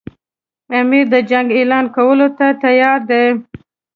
امیر د جنګ اعلان کولو ته تیار دی.